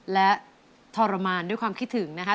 และทรมานด้วยความคิดถึงนะคะ